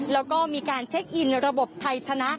แล้วก็มีการเช็คอินระบบไทยชนะ